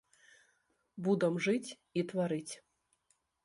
Будам жыць і тварыць.